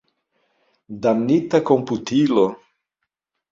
Damnita komputilo!